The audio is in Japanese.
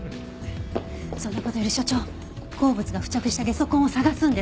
そんな事より所長鉱物が付着したゲソ痕を捜すんです。